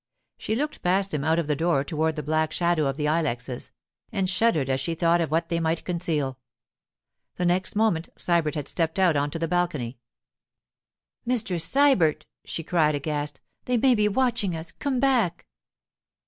She looked past him out of the door toward the black shadow of the ilexes, and shuddered as she thought of what they might conceal. The next moment Sybert had stepped out on to the balcony. 'Mr. Sybert!' she cried aghast. 'They may be watching us. Come back.